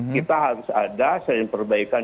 kita harus ada perbaikan